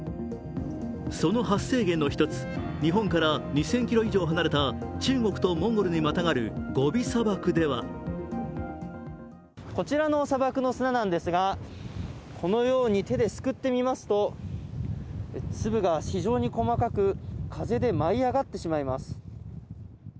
その発生源の一つ日本から２０００ｋｍ以上離れた中国とモンゴルにまたがるゴビ砂漠ではこちらの砂漠の砂なんですがこのように手ですくってみると粒が非常に細かく、風で舞い上がってしまいます。